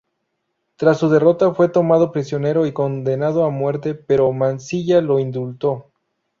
Tras su derrota fue tomado prisionero y condenado a muerte, pero Mansilla lo indultó.